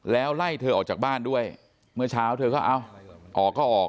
แล้วไล่เธอออกจากบ้านด้วยเมื่อเช้าเธอก็เอาออกก็ออก